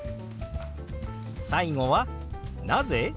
最後は「なぜ？」。